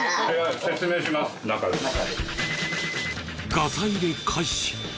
ガサ入れ開始。